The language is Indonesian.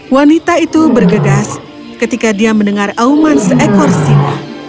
wanita itu bergegas ketika dia mendengar auman seekor sina